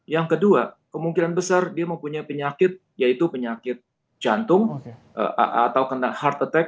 yang kedua kemungkinan besar dia mempunyai penyakit yaitu penyakit jantung atau kena hard attack